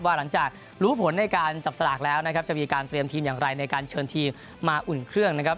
หลังจากรู้ผลในการจับสลากแล้วนะครับจะมีการเตรียมทีมอย่างไรในการเชิญทีมมาอุ่นเครื่องนะครับ